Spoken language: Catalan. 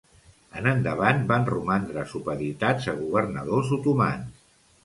En endavant van romandre supeditats a governadors otomans.